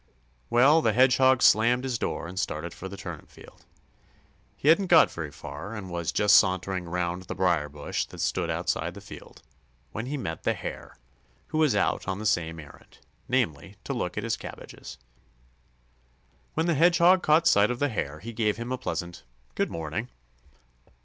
Well, the Hedgehog slammed his door and started for the turnip field. He hadn't got very far, and was just sauntering round the brier bush that stood outside the field, when he met the Hare, who was out on the same errand—namely, to look at his cabbages. When the Hedgehog caught sight of the Hare, he gave him a pleasant "Good morning."